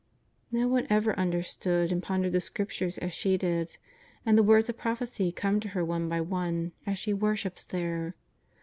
''* No one ever understood and pondered the Scriptures as she did, and the words of prophecy come to her one by one as she worships there.